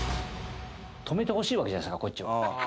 止めてほしいわけじゃないですかこっちは。